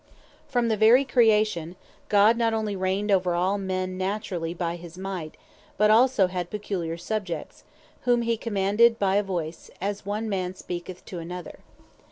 From the very Creation, God not only reigned over all men Naturally by his might; but also had Peculiar Subjects, whom he commanded by a Voice, as one man speaketh to another.